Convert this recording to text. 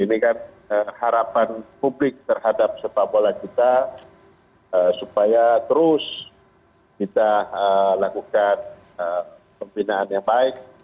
ini kan harapan publik terhadap sepak bola kita supaya terus kita lakukan pembinaan yang baik